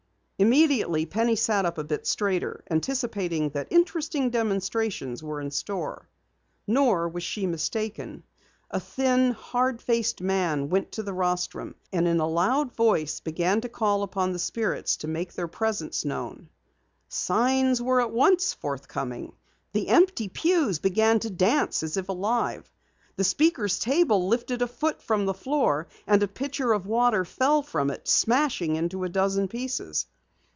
Immediately, Penny sat up a bit straighter, anticipating that interesting demonstrations were in store. Nor was she mistaken. A thin, hard faced man went to the rostrum, and in a loud voice began to call upon the spirits to make known their presence. Signs were at once forthcoming. The empty pews began to dance as if alive. The speaker's table lifted a foot from the floor and a pitcher of water fell from it, smashing into a dozen pieces.